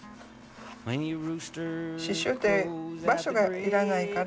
刺しゅうって場所がいらないから